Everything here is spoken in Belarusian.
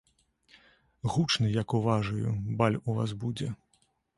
Гучны, як уважаю, баль у вас будзе.